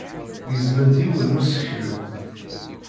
Gezment yiwen n useklu.